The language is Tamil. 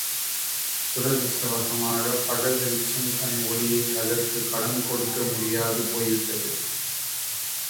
துரதிர்ஷ்டவசமாகப் பகல் வெளிச்சம் தன் ஒளியை அதற்குக் கடன் கொடுக்க முடியாது போய்விட்டது.